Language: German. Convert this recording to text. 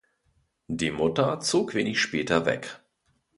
Die Mutter zog wenig später weg.